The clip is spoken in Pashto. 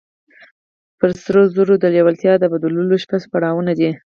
پر سرو زرو د لېوالتیا د بدلولو شپږ پړاوونه دي.